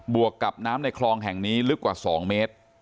วกกับน้ำในคลองแห่งนี้ลึกกว่า๒เมตร